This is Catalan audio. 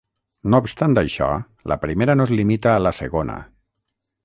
No obstant això, la primera no es limita a la segona.